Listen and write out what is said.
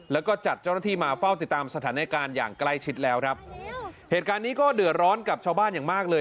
แล้วก็จัดเจ้าหน้าที่มาเฝ้าติดตามสถานการณ์อย่างใกล้ชิดแล้วครับเหตุการณ์นี้ก็เดือดร้อนกับชาวบ้านอย่างมากเลย